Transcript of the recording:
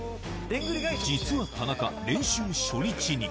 実は田中、練習初日に。